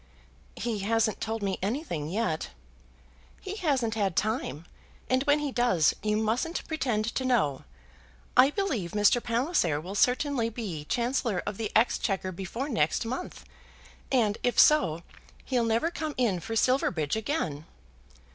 "He hasn't told me anything yet." "He hasn't had time; and when he does, you mustn't pretend to know. I believe Mr. Palliser will certainly be Chancellor of the Exchequer before next month, and, if so, he'll never come in for Silverbridge again."